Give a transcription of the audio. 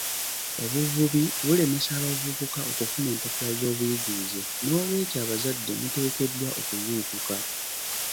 Obuvubi bulemesa abavubuka okufuna empapula z'obuyigirize n'olw'ekyo abazadde muteekeddwa okuzuukuka.